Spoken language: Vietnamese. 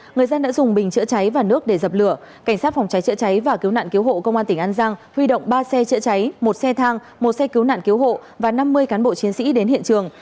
người dân đã dùng bình chữa cháy và nước để dập lửa cảnh sát phòng cháy chữa cháy và cứu nạn cứu hộ công an tỉnh an giang huy động ba xe chữa cháy một xe thang một xe cứu nạn cứu hộ và năm mươi cán bộ chiến sĩ đến hiện trường